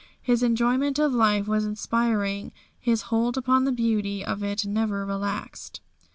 His enjoyment of life was inspiring, his hold upon the beauty of it never relaxed.